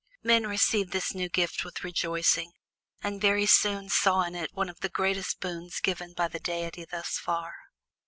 Men received this new gift with rejoicing, and very soon saw in it one of the greatest boons given by the deity thus far.